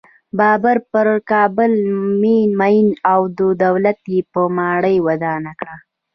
بابر پر کابل مین و او دلته یې ماڼۍ ودانه کړه.